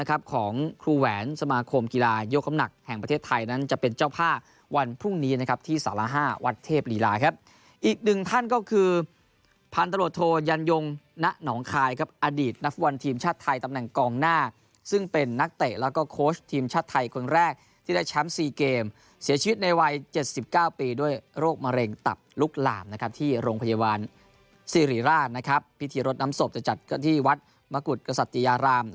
ที่ทำนะครับของครูแหวนสมาคมกีฬายก้มหนักแห่งประเทศไทยนั้นจะเป็นเจ้าผ้าวันพรุ่งนี้นะครับที่สาระห้าวัดเทพฤราครับอีกหนึ่งท่านก็คือพันตะโหลโทยันยงณ์หนองคายครับอดีตนับ๑ทีมชาติไทยตำแหน่งกองหน้าซึ่งเป็นนักเตะแล้วก็โค้ชทีมชาติไทยคนแรกที่ได้แชมป์๔เกมเสียชีวิตในวัย๗๙